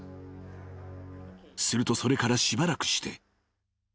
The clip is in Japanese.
［するとそれからしばらくして］